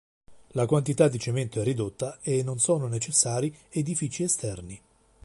La quantità di cemento è ridotta e non sono necessari edifici esterni.